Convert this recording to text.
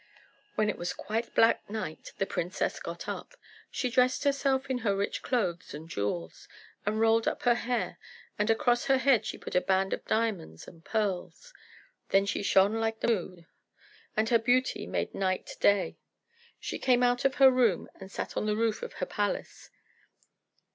When it was quite black night the princess got up. She dressed herself in her rich clothes and jewels, and rolled up her hair, and across her head she put a band of diamonds and pearls. Then she shone like the moon, and her beauty made night day. She came out of her room, and sat on the roof of her palace.